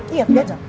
iya tiga jam